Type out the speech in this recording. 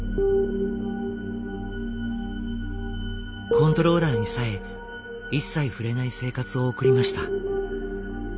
コントローラーにさえ一切触れない生活を送りました。